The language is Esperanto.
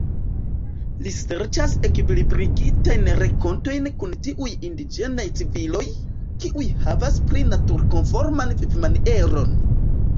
Li serĉas ekvilibrigitajn renkontojn kun tiuj indiĝenaj civilizoj, kiuj havas pli naturkonforman vivmanieron.